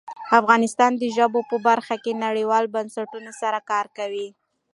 افغانستان د ژبو په برخه کې نړیوالو بنسټونو سره کار کوي.